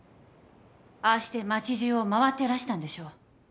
ああして町じゅうを回ってらしたんでしょう。